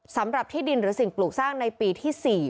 สำหรับที่ดินหรือสิ่งปลูกสร้างในปีที่๔